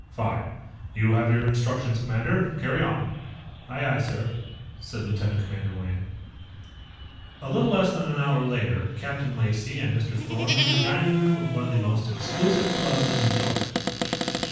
"Fine. You have your instructions, commander. Carry on." "Aye, aye, sir," said Lieutenant Commander Wayne. A little less than an hour later, Captain Lacey and Mr. Thorn were in the dining room of one of the most exclusive clubs in New York.